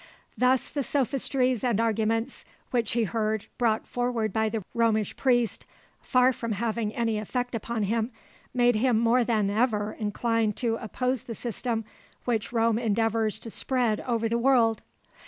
Thus the sophistries and arguments which he heard brought forward by the Romish priest, far from having any effect upon him, made him more than ever inclined to oppose the system which Rome endeavours to spread over the world.